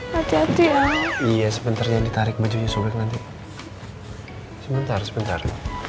hati hati ya iya sebentar jadi tarik bajunya sebentar sebentar